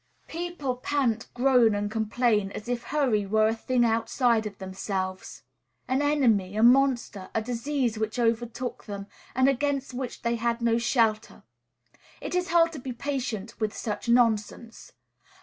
People pant, groan, and complain as if hurry were a thing outside of themselves, an enemy, a monster, a disease which overtook them, and against which they had no shelter. It is hard to be patient with such nonsense.